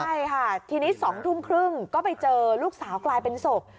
ใช่ค่ะทีนี้๒ทุ่มครึ่งก็ไปเจอลูกสาวกลายเป็นศพ